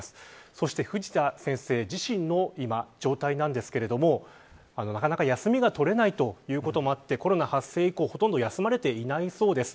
そして、藤田先生自身の今の状態なんですがなかなか休みが取れないということもあってコロナ発生以降、ほとんど休まれていないそうです。